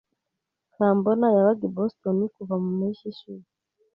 Kambona yabaga i Boston kuva mu mpeshyi ishize.